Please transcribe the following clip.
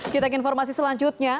kita ke informasi selanjutnya